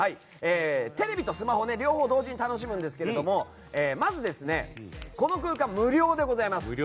テレビとスマホ両方同時に楽しむんですがまずこの空間無料でございます。